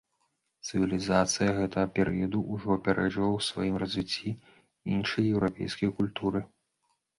Цывілізацыя гэтага перыяду ўжо апярэджвала ў сваім развіцці іншыя еўрапейскія культуры.